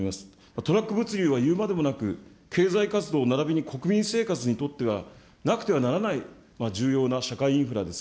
トラック物流はいうまでもなく、経済活動ならびに国民生活にとってはなくてはならない重要な社会インフラです。